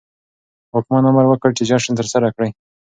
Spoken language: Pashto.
واکمن امر وکړ چې جشن ترسره کړي.